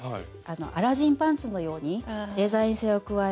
アラジンパンツのようにデザイン性を加えて。